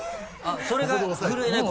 それが震えないコツ？